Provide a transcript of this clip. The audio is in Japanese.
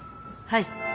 はい。